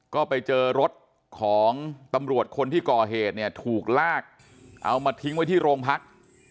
ก็ไปเจอรถของตำรวจคนที่ก่อเหตุเนี่ยถูกลากเอามาทิ้งไว้ที่โรงพัก